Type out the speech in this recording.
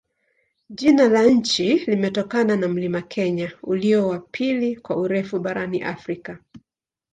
Jina la nchi limetokana na mlima Kenya, ulio wa pili kwa urefu barani Afrika.